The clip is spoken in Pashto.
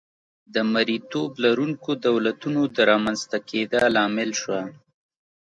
د مریتوب لرونکو دولتونو د رامنځته کېدا لامل شوه.